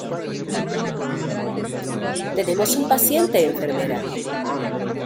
Tenemos un paciente, enfermera.